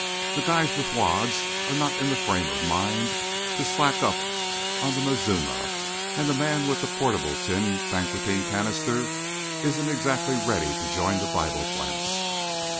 The guys with wads are not in the frame of mind to slack up on the mazuma, and the man with the portable tin banqueting canister isn't exactly ready to join the Bible class.